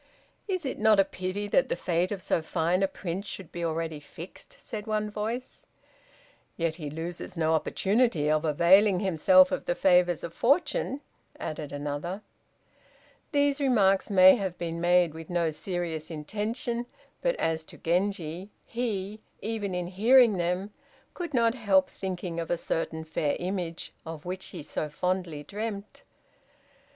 "Is it not a pity that the fate of so fine a prince should be already fixed?" said one voice. "Yet he loses no opportunity of availing himself of the favors of fortune," added another. These remarks may have been made with no serious intention, but as to Genji, he, even in hearing them, could not help thinking of a certain fair image of which he so fondly dreamt.